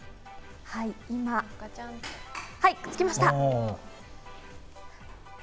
今、くっつきました。